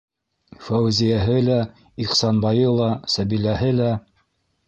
Фәүзиәһе лә, Ихсанбайы ла, Сәбиләһе лә...